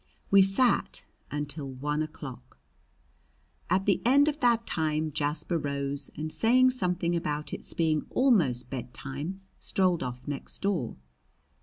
We sat until one o'clock. At the end of that time Jasper rose, and saying something about its being almost bedtime strolled off next door.